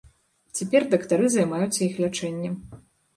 Цяпер дактары займаюцца іх лячэннем.